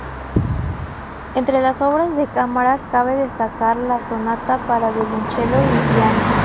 Entre las obras de cámara cabe destacar la "Sonata para violonchelo y piano".